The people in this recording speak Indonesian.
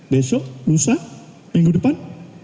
besok lusa minggu depan